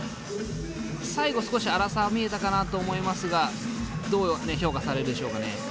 最後少し粗さが見えたかなと思いますがどう評価されるでしょうかね。